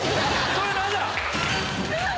それ何だ⁉